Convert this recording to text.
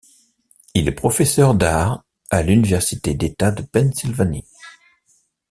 Il est professeur d'art à l'université d'État de Pennsylvanie.